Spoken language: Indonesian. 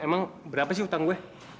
emang berapa sih utang gue